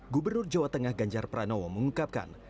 gubernur jawa tengah ganjar pranowo mengungkapkan